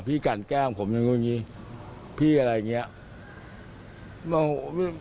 พี่กัดแก้งผมอย่างนู้นงี้พี่อะไรอย่างนี้